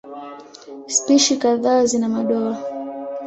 Spishi kadhaa zina madoa.